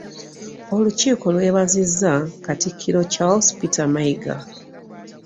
Olukiiko lwebazizza Katikkiro Charles Peter Mayiga.